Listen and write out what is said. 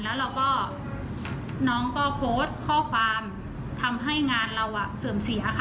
แล้วเราก็น้องก็โพสต์ข้อความทำให้งานเราเสื่อมเสียค่ะ